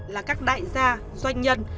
là các đại gia doanh nhân